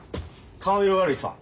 顔色悪いしさ。